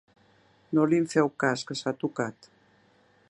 No li'n feu cas, que s'ha tocat.